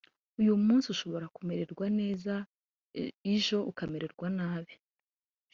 uyu munsi ushobora kumererwa neza ijo ukamererwa nabi